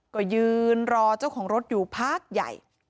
ก็ยืนรอเจ้าของรถอยู่พักใหญ่